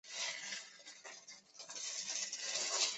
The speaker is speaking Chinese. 此系列路线一直以车队残旧和司机态度恶劣作为垢病。